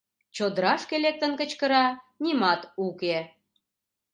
Чодырашке лектын кычкыра — нимат уке.